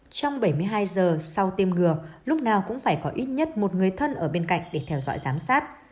trong bảy mươi hai giờ sau tiêm ngừa lúc nào cũng phải có ít nhất một người thân ở bên cạnh để theo dõi giám sát